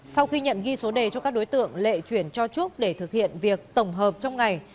sau khi nhận ghi số đề cho các đối tượng lệ chuyển cho trúc để thực hiện việc tổng hợp trong ngày